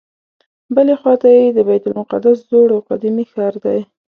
بلې خواته یې د بیت المقدس زوړ او قدیمي ښار دی.